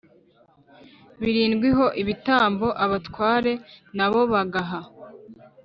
Birindwi Ho Ibitambo Abatware Na Bo Bagaha